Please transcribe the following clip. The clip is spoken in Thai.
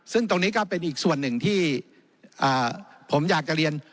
ซึ่งตรงนี้ก็เป็นอีกส่วนหนึ่งที่ผมอยากจะเรียน